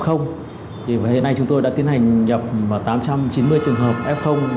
thì hiện nay chúng tôi đã tiến hành nhập tám trăm chín mươi trường hợp f